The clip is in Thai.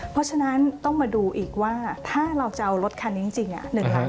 เพราะฉะนั้นต้องมาดูอีกว่าถ้าเราจะเอารถคันนี้จริง